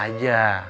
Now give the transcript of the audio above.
di pepes aja